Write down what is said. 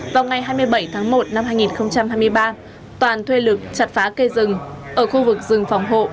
vào ngày hai mươi bảy tháng một năm hai nghìn hai mươi ba toàn thuê lực chặt phá cây rừng ở khu vực rừng phòng hộ